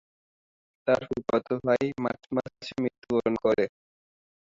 তার ফুফাতো ভাই মার্চ মাসে মৃত্যুবরণ করে।